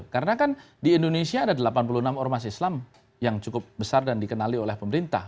karena kan di indonesia ada delapan puluh enam ormas islam yang cukup besar dan dikenali oleh pemerintah